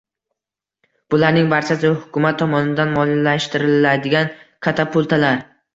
Bularning barchasi hukumat tomonidan moliyalashtiriladigan katapultalar